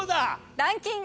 ランキング